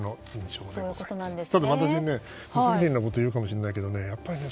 ただ、不謹慎なこと言うかもしれないけどね